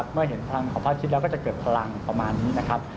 เมื่อเห็นพลังของพระอาทิตย์แล้วก็จะเกิดพลังประมาณนี้นะครับ